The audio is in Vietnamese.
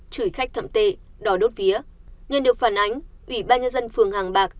chửi khách thậm tệ đốt vía nhân được phản ánh ủy ban dân phường hàng bạc